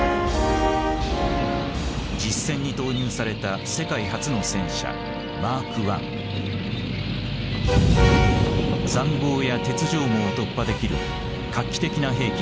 実戦に投入された世界初の戦車塹壕や鉄条網を突破できる画期的な兵器だった。